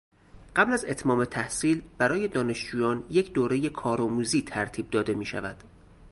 قبل از اتمام تحصیل برای دانشجویان یک دورهٔ کارآموزی ترتیب داده میشود.